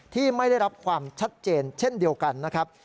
ที่ไม่ได้รับความชัดเจนเช่นเดียวกันนะครับ